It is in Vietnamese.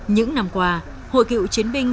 những năm qua hội cựu chiến binh